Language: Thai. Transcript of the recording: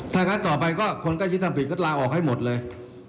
ถ้างั้นต่อไปก็คนใกล้ชิดทำผิดก็ลาออกให้หมดเลย